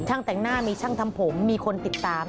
แต่งหน้ามีช่างทำผมมีคนติดตาม